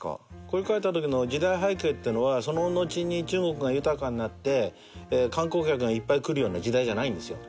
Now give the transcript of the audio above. これ書いたときの時代背景ってその後に中国が豊かになって観光客がいっぱい来るような時代じゃないんですよ。